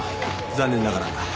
残念ながら。